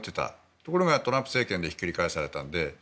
ところがトランプ政権でひっくり返された。